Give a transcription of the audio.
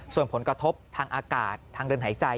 ส่วนผลกระทบทางอากาศทางเดินหายใจ